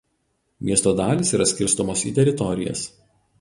Miesto dalys yra skirstomos į teritorijas.